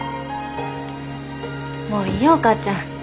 もういいよお母ちゃん。